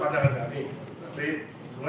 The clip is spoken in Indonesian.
kasusnya pak anang makto ini kan belum diikrah